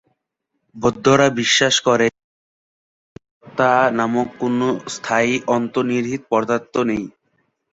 বৌদ্ধরা বিশ্বাস করে যে মানুষের মধ্যে স্ব বা আত্মা নামক কোন স্থায়ী অন্তর্নিহিত পদার্থ নেই।